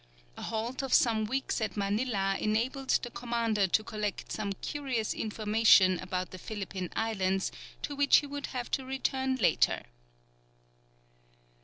A halt of some weeks at Manilla enabled the commander to collect some curious information about the Philippine Islands, to which he would have to return later.